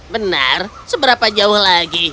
benar seberapa jauh lagi